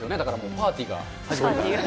パーティーが。